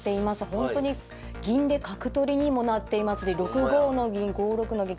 ほんとに銀で角取りにもなっていますし６五の銀５六の銀